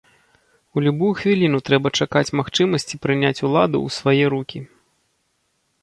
У любую хвіліну трэба чакаць магчымасці прыняць уладу ў свае рукі.